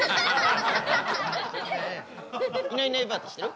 いないいないばあって知ってる？